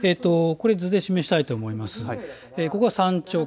図で示したいと思います。